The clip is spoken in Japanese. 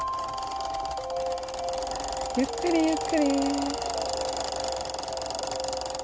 ゆっくりゆっくり。